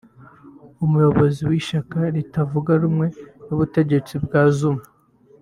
umuyobozi w’ishyaka ritavuga rumwe n’ubutegetsi bwa Zuma